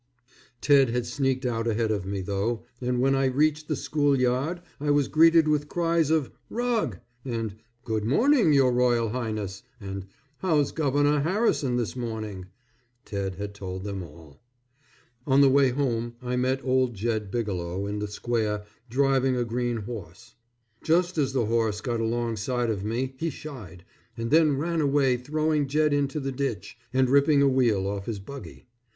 Ted had sneaked out ahead of me though, and when I reached the school yard I was greeted with cries of "Rug," and "Good morning, your Royal Highness," and "How's Governor Harrison this morning?" Ted had told them all. On the way home, I met old Jed Bigelow in the square driving a green horse. Just as the horse got along side of me he shied, and then ran away throwing Jed into the ditch and ripping a wheel off his buggy.